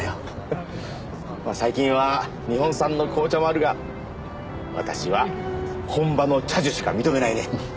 まあ最近は日本産の紅茶もあるが私は本場の茶樹しか認めないね。